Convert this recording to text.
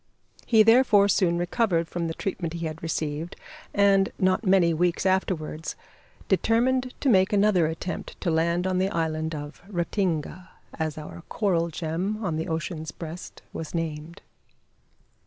He therefore soon recovered from the treatment he had received, and, not many weeks afterwards, determined to make another attempt to land on the island of Ratinga as our coral gem on the ocean's breast was named.